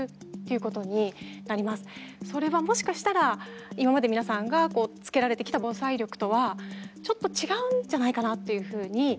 それはもしかしたら今まで皆さんがつけられてきた防災力とはちょっと違うんじゃないかなっていうふうに思いました。